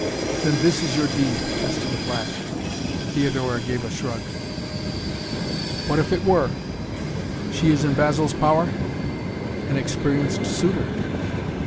"Then this is your deed," Tristan flashed. Theodora gave a shrug. "What if it were?" "She is in Basil's power?" "An experienced suitor."